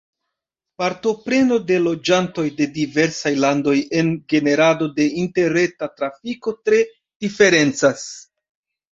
Partopreno de loĝantoj de diversaj landoj en generado de interreta trafiko tre diferencas.